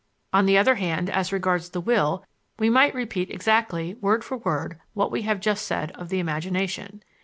On the other hand, as regards the will, we might repeat exactly, word for word, what we have just said of the imagination.